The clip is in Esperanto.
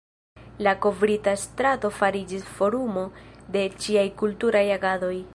La kovrita strato fariĝis forumo de ĉiaj kulturaj agadoj.